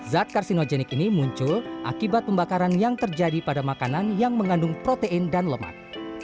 zat karsinogenik ini muncul akibat pembakaran yang terjadi pada makanan yang mengandung protein dan lemak